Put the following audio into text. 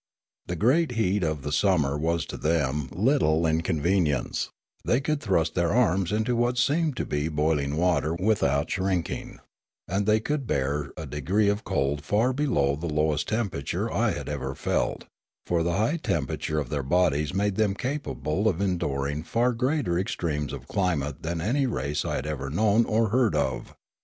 The great heat of summer was to them little inconvenience; they could thrust their arms into what seemed to be boiling water with out shrinking; and they could bear a degree of cold far below the lowest temperature I had ever felt, for the high temperature of their bodies made them capable of enduring far greater extremes of climate than any race I had ever known or heard of.